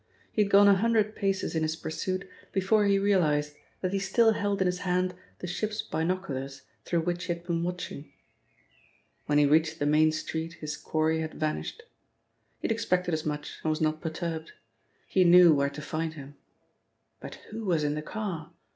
He had gone a hundred paces in his pursuit before he realised that he still held in his hand the ship's binoculars through which he had been watching. When he reached the main street his quarry had vanished. He had expected as much and was not perturbed. He knew where to find him. But who was in the car?